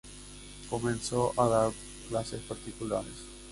Comenzó a dar clases particulares.